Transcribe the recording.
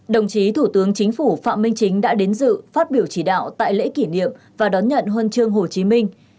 đồng chí thủ tướng chính phủ phạm minh chính đã đến dự phát biểu chỉ đạo tại lễ kỷ niệm và đón nhận huân chương hồ chí minh